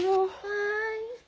はい。